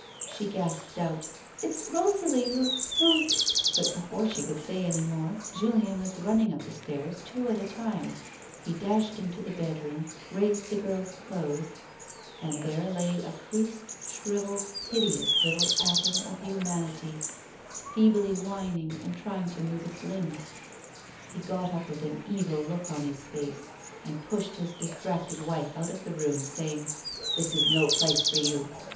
She gasped out, " It's Rosalie who — who —" but before she could say any more Julien was rushing up the stairs two at a time, he dashed into the bedroom, raised the girl's clothes, and there lay a creased, shrivelled, hideous, little atom of humanity, feebly whining and trying to move its limbs. He got up with an evil look on his face, and pushed his distracted wife out of the room, saying, "This is no place for you.